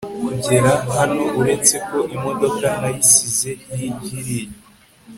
kugera hano uretse ko imodoka nayisize hiryiriya